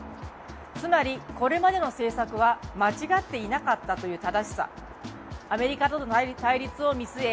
つまりこれまでの政策は間違っていなかったという正しさ、アメリカとの対立を見据え